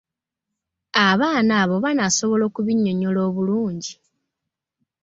Abaana abo banasobola okubinnyonnyola obulungi?